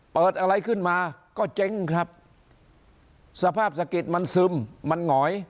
เปิดอะไรขึ้นมาก็เจ๊งครับสภาพสะกิดมันซึมมันหงอย